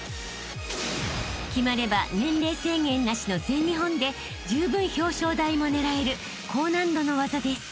［決まれば年齢制限なしの全日本でじゅうぶん表彰台も狙える高難度の技です］